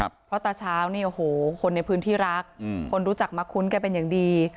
เพราะตาเช้าเนี่ยโอ้โหคนในพื้นที่รักอืมคนรู้จักมาคุ้นกันเป็นอย่างดี